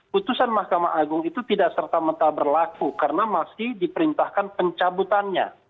putusan mahkamah agung itu tidak serta merta berlaku karena masih diperintahkan pencabutannya